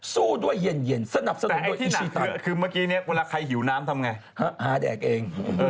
สู้ด้วยเย็นสนับสนุนด้วยอิชิตัน